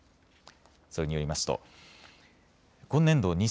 それによりますと今年度